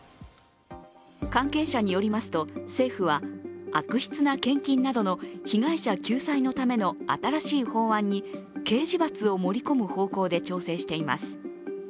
関係者によりますと政府は悪質な献金などの被害者救済のための新しい法案に刑事罰を盛り込む方向で調整しています。